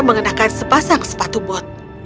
mengenakan sepasang sepatu bot